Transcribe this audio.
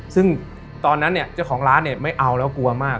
ซึ่งตอนนั้นเนี่ยเจ้าของร้านเนี่ยไม่เอาแล้วกลัวมาก